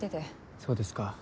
そうですか